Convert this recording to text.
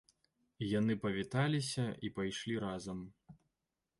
Яны павіталіся і пайшлі разам.